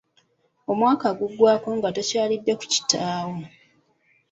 Omwaka guggwaako nga tokyalidde ku kitaawo.